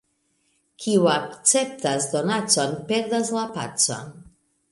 Kiu akceptas donacon, perdas la pacon.